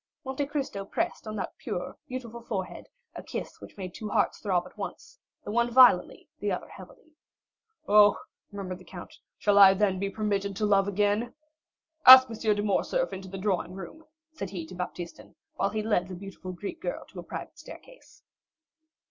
Monte Cristo pressed on that pure beautiful forehead a kiss which made two hearts throb at once, the one violently, the other secretly. "Oh," murmured the count, "shall I then be permitted to love again? Ask M. de Morcerf into the drawing room," said he to Baptistin, while he led the beautiful Greek girl to a private staircase.